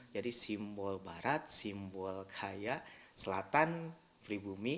jadi simbol barat simbol kaya selatan pribumi